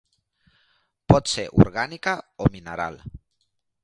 Pot ser orgànica o mineral.